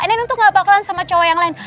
neneng tuh gak bakalan sama cowok yang lain